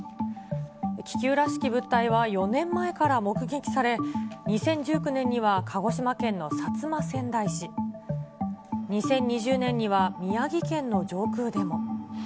気球らしき物体は４年前から目撃され、２０１９年には鹿児島県の薩摩川内市、２０２０年には宮城県の上空でも。